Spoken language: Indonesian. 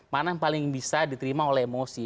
mana yang paling bisa diterima oleh emosi